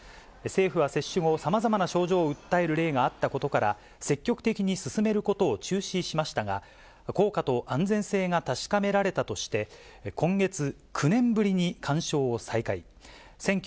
政府は接種後、さまざまな症状を訴える例があったことから、積極的に勧めることを中止しましたが、効果と安全性が確かめられたとして、今月、９年ぶりに勧奨を再開。